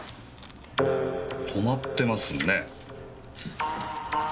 止まってますね。